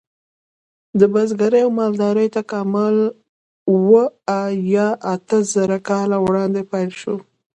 د بزګرۍ او مالدارۍ تکامل اوه یا اته زره کاله وړاندې پیل شو.